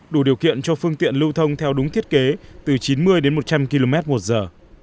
đủ điều kiện cho phương tiện lưu thông theo đúng thiết kế từ chín mươi đến một trăm linh km một giờ